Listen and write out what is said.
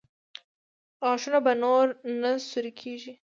غاښونه به نور نه سوري کېږي؟